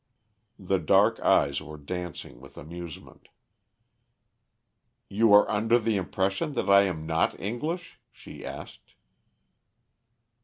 The dark eyes were dancing with amusement. "You are under the impression that I am not English?" she asked.